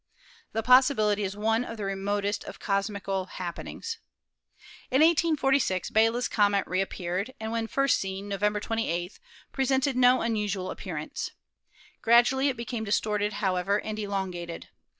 The possibility is one of the remotest of cosmical happenings. In 1846 Biela's comet reappeared, and when first seen, November 28, presented no unusual appearance. Grad ually it became distorted, however, and elongated.